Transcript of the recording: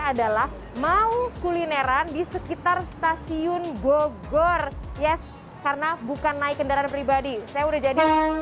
adalah mau kulineran di sekitar stasiun bogor yes karena bukan naik kendaraan pribadi saya udah jadi